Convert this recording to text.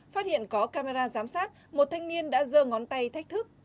phát hiện có camera giám sát một thanh niên đã dơ ngón tay thách thức